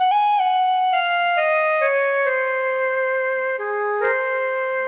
ใกล้ตาได้ยินมันล่าเสียงไกล